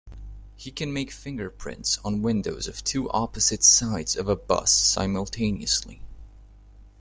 He can make fingerprints on windows of two opposite sides of a bus simultaneously.